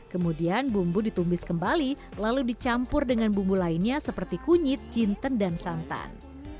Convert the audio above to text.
kemudian bumbu ditumis kembali lalu dicampur dengan bumbu lainnya seperti kunyit jinten dan santan